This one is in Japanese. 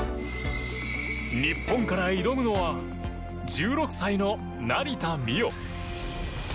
日本から挑むのは１６歳の成田実生。